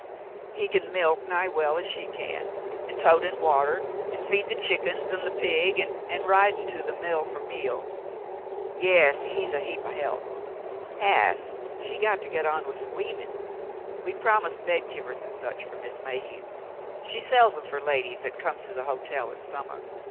He can milk nigh as well as she can, an' tote in water, an' feed the chick'ns an' th' pig, an' rid'n' to mill fer meal — yas, he's a heap o' help. Cass, she got to get on with th' weavin'. We promised bed kivers an' such fer INIiss INIayhew. She sells 'em fer ladies 'at comes to the hotel in summah.